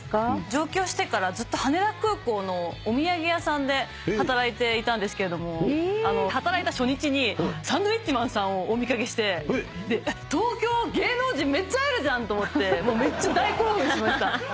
上京してからずっと羽田空港のお土産屋さんで働いていたんですけれども働いた初日にサンドウィッチマンさんをお見掛けして東京芸能人めっちゃ会えるじゃんと思ってめっちゃ大興奮しました。